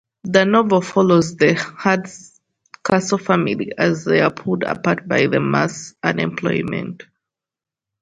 The novel follows the Hardcastle family as they are pulled apart by mass unemployment.